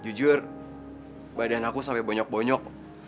jujur badan aku sampai bonyok bonyok